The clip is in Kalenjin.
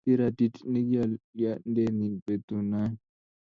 ki Radhid nekiolindenyin betunoee